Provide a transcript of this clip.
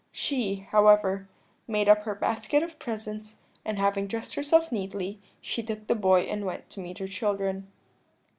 She, however, made up her basket of presents, and having dressed herself neatly, she took the boy and went to meet her children.